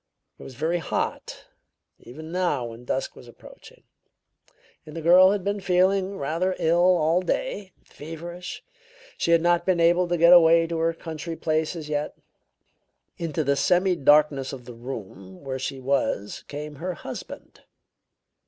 "It was very hot; even now when dusk was approaching. The girl had been feeling rather ill all day; feverish. She had not been able to get away to her country place as yet. Into the semidarkness of the room where she was came her husband.